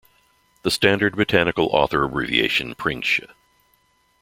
The standard botanical author abbreviation Pringsh.